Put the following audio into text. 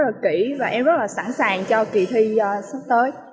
rất là kỹ và em rất là sẵn sàng cho kỳ thi sắp tới